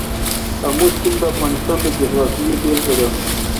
آمو سیند د افغانستان د جغرافیې بېلګه ده.